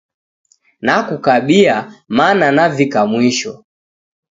Nakukabia mana navika mwisho